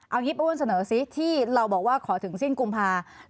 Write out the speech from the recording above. เอางี้อ้วนเสนอซิที่เราบอกว่าขอถึงสิ้นกุมภา